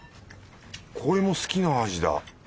これも好きな味だ。